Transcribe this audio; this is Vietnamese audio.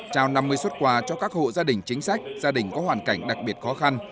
trao năm mươi xuất quà cho các hộ gia đình chính sách gia đình có hoàn cảnh đặc biệt khó khăn